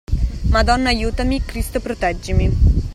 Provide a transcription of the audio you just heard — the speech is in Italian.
Madonna aiutami, Cristo proteggimi!